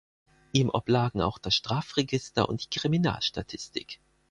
Ihm oblagen auch das Strafregister und die Kriminalstatistik.